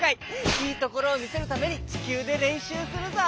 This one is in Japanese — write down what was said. いいところをみせるためにちきゅうでれんしゅうするぞ！